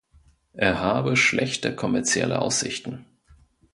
Er habe schlechte kommerzielle Aussichten.